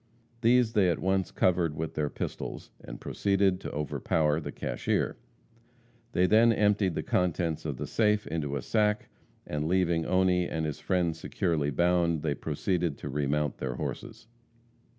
These they at once covered with their pistols, and proceeded to overpower the cashier. They then emptied the contents of the safe into a sack, and leaving Oney and his friend securely bound, they proceeded to remount their horses.